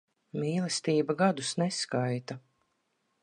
Mīlestība gadus neskaita.